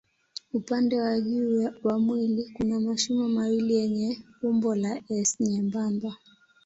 Upande wa juu wa mwili kuna mashimo mawili yenye umbo la S nyembamba.